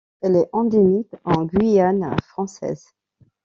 Elle est endémique en Guyane française.